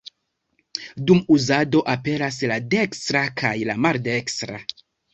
Dum uzado aperas la dekstra kaj la maldekstra.